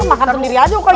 makan sendiri aja kok gitu